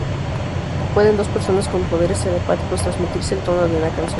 ¿pueden dos personas con poderes telepáticos transmitirse el tono de una canción?